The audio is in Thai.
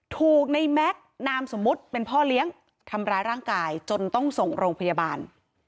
ถูกในแม็กซ์นามสมมุติเป็นพ่อเลี้ยงทำร้ายร่างกายจนต้องส่งโรงพยาบาล